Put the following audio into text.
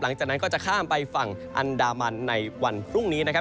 หลังจากนั้นก็จะข้ามไปฝั่งอันดามันในวันพรุ่งนี้นะครับ